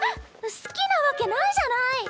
好きなわけないじゃない！